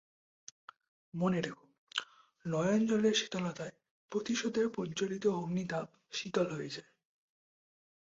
মনে রেখ, নয়ন জলের শীতলতায় প্রতিশোধের প্রজ্জ্বলিত অগ্নিতাপ শীতল হয়ে যায়।